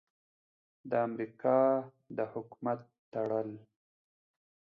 د امریکا د حکومت تړل: